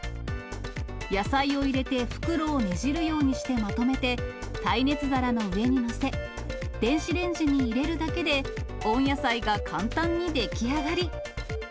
野菜を入れて袋をねじるようにしてまとめて、耐熱皿の上に載せ、電子レンジに入れるだけで温野菜が簡単に出来上がり。